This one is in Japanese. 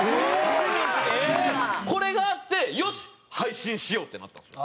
これがあって「よし配信しよう！」ってなったんですよ。